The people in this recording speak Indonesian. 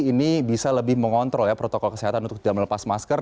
ini bisa lebih mengontrol ya protokol kesehatan untuk tidak melepas masker